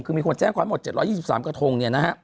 คือมีคนแสดงข้อความหมด๗๒๓กระทง